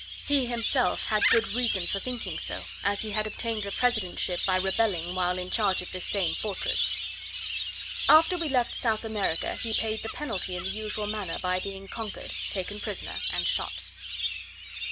He himself had good reason for thinking so, as he had obtained the presidentship by rebelling while in charge of this same fortress. After we left South America, he paid the penalty in the usual manner, by being conquered, taken prisoner, and shot.